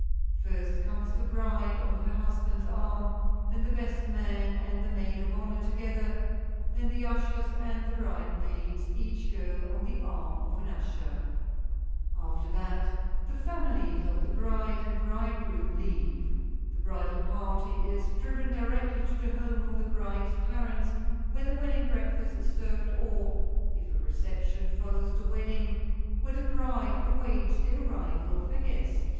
First, comes the bride on her husband's arm, then the best man and the maid of honor together, then the ushers and the bridesmaids, each girl on the arm of an usher. After that the families of the bride and bridegroom leave. The bridal party is driven directly to the home of the bride's parents, where the wedding breakfast is served or, if a reception follows the wedding, where the bride awaits the arrival of her guests.